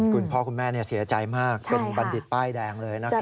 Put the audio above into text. คุณพ่อคุณแม่เสียใจมากเป็นบัณฑิตป้ายแดงเลยนะครับ